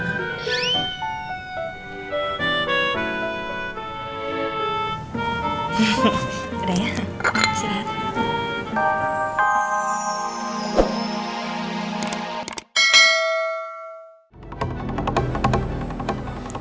udah ya silahkan